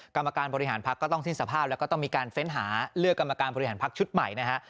กรรมการบริหารพักก็ต้องสิ้นสภาพแล้วก็ต้องมีการเฟ้นหาเลือกกรรมการบริหารพักชุดใหม่นะฮะ